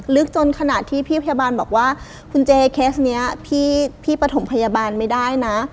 จนขนาดที่พี่พยาบาลบอกว่าคุณเจเคสนี้พี่ปฐมพยาบาลไม่ได้นะ